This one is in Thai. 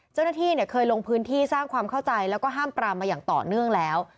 เจ้าหน้าที่เคยลงพื้นที่สร้างความเข้าใจแล้วก็ห้ามปรามมาอย่างต่อเนื่องแล้ว